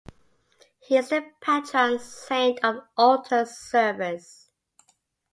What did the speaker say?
He is the patron saint of altar servers.